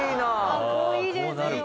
かっこいいですよ。